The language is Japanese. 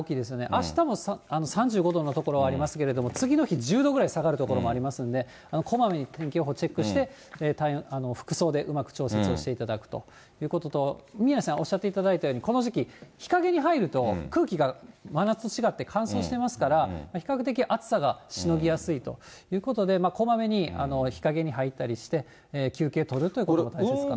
あしたも３５度の所ありますけれども、次の日、１０度ぐらい下がる所もありますので、こまめに天気予報チェックして、服装でうまく調節をしていただくということと、宮根さんおっしゃっていただいたように、この時期、日陰に入ると空気が、真夏と違って乾燥してますから、比較的暑さがしのぎやすいということで、こまめに日陰に入ったりして、休憩取るっていうことも大切かなと。